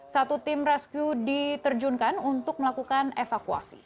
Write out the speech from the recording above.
satu tim rescue diterjunkan untuk melakukan evakuasi